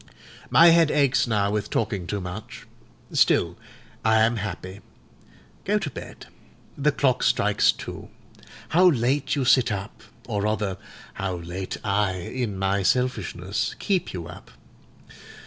My head aches now with talking too much; still I am happy. Go to bed. The clock strikes two. How late you sit up; or rather how late I, in my selfishness, keep you up.